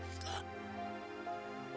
ia kamu kenapa